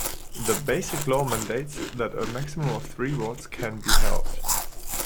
The Basic Law mandates that a maximum of three votes can be held.